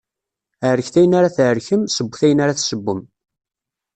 Ɛerket ayen ara tɛerkem, sewwet ayen ara tsewwem.